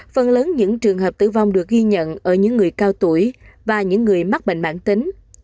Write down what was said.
phần lớn những trường hợp tử vong được ghi nhận ở những người cao tuổi và những người mắc bệnh mạng tính